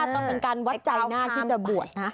ต้องเป็นการวัดใจหน้าที่จะบวชนะ